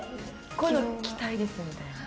「こういうの着たいです」みたいな？